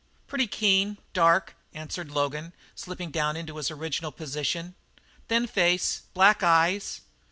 "Pretty keen dark," answered Logan, slipping down into his original position. "Thin face; black eyes."